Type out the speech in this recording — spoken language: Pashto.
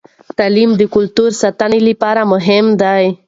تعلیم د کلتور د ساتنې لپاره مهم دی.